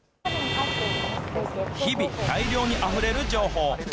日々、大量にあふれる情報。